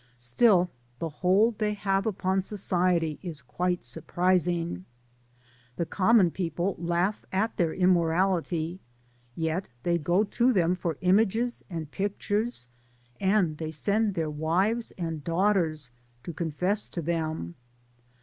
Still the hold they have upon society is quite surprising. The common people laugh at their immorality, yet they go to them for images and pictures, and they send their wives and daughters to confess to them.